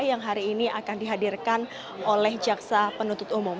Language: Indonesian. yang hari ini akan dihadirkan oleh jaksa penuntut umum